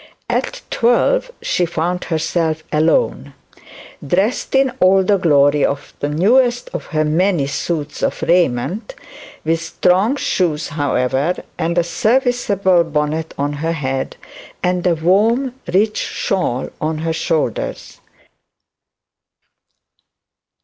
At twelve she found herself alone, dressed in all the glory of the newest of her many suits of raiment; with strong shoes however, and a serviceable bonnet on her head, and a warm rich shawl on her shoulders.